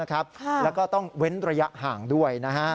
แล้วก็ต้องเว้นระยะห่างด้วย